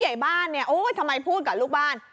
ใหญ่บ้านเนี่ยโอ้ยทำไมพูดกับลูกบ้าน